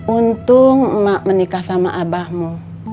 untung emak menikah sama abahmu